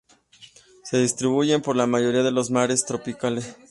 Se distribuyen por la mayoría de los mares tropicales.